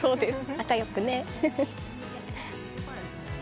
仲よくね！